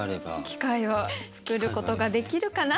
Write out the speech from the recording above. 機会を作ることができるかな？